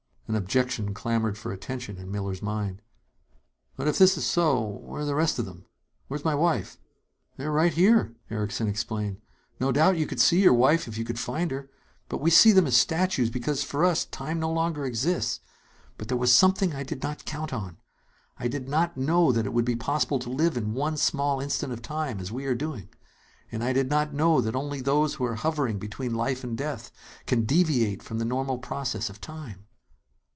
An objection clamored for attention in Miller's mind. "But if this is so, where are the rest of them? Where is my wife?" "They are right here," Erickson explained. "No doubt you could see your wife if you could find her. But we see them as statues, because, for us, time no longer exists. But there was something I did not count on. I did not know that it would be possible to live in one small instant of time, as we are doing. And I did not know that only those who are hovering between life and death can deviate from the normal process of time!"